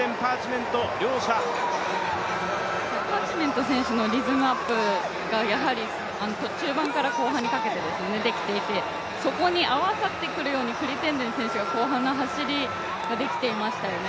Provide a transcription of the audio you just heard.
パーチメント選手のリズムアップがやはり中盤から後半にかけてできていてそこに合わさってくるようにクリッテンデン選手が後半の走りができていましたよね。